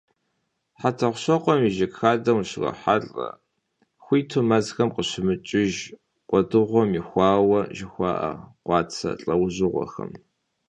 ХьэтӀохъущокъуэм и жыг хадэм ущрохьэлӀэ хуиту мэзхэм къыщымыкӀыж, кӀуэдыжыгъуэ ихуауэ жыхуаӀэ къуацэ лӀэужьыгъуэхэм.